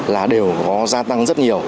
là đều có gia tăng rất nhiều